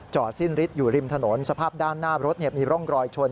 สิ้นฤทธิ์อยู่ริมถนนสภาพด้านหน้ารถมีร่องรอยชน